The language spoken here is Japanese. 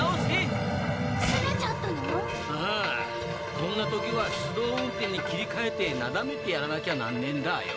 こんな時は手動運転に切り替えてなだめてやらなきゃなんねえんだあよ。